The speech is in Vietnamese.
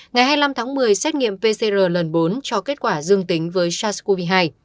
ngày hai mươi năm tháng một mươi xét nghiệm pcr lần bốn cho kết quả dương tính với sars cov hai